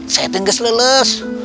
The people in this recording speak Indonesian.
saya tuh gak seles